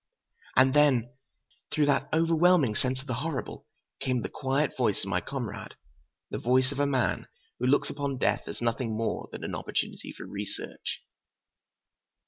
And then, through that overwhelming sense of the horrible, came the quiet voice of my comrade—the voice of a man who looks upon death as nothing more than an opportunity for research.